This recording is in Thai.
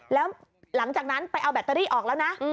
แล้วหลังจากนั้นไปเอาแบตเตอรี่ออกแล้วนะ